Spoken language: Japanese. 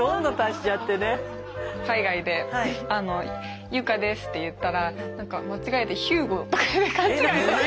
海外で「佑果です」って言ったら何か間違えて「ヒューゴ」とか勘違いされて。